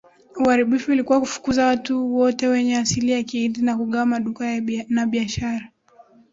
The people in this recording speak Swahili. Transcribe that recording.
uharibifu ilikuwa kufukuza watu wote wenye asili ya Kihindi na kugawa maduka na biashara